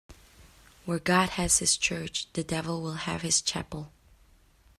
Where God has his church, the devil will have his chapel.